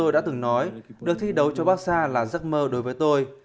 được thi đấu cho barcelona là giấc mơ đối với tôi